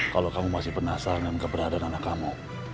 kalau kamu masih penasaran dengan keberadaan anak kamu